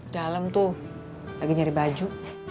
dalam tuh lagi nyari baju